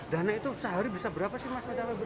dana itu sehari bisa berapa sih mas